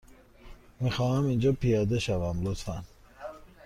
می خواهم اینجا پیاده شوم، لطفا.